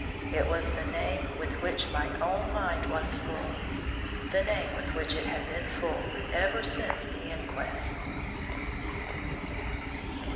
It was the name with which my own mind was full; the name with which it had been full ever since the inquest.